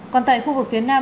còn tại khu vực phía nam